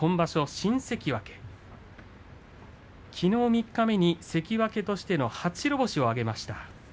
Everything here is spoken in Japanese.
新関脇の明生、きのう三日目に関脇としての初白星を挙げた明生です。